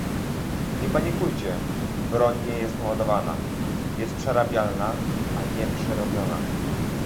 Nie panikujcie - broń nie jest naładowana, jest przerabialna, a nie przerobiona